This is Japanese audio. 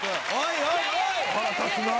腹立つな！